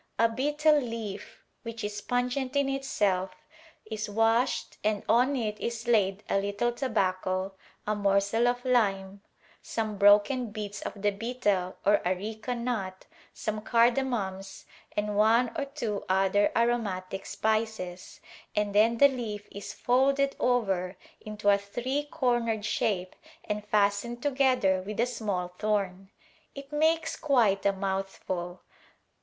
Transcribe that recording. A betel leaf — which is pungent in itself — is washed and on it is laid a little tobacco, a morsel of lime, some broken bits of the betel or areca nut, some cardemons and one or two other aromatic spices, and then the leaf is folded over into a three cornered shape and fastened together with a small thorn. It makes quite a mouthful.